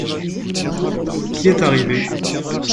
Qui est arrivé ?